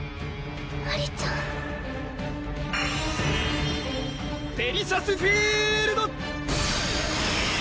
マリちゃんデリシャスフィールド！